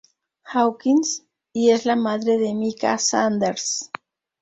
Hawkins y es la madre de Micah Sanders.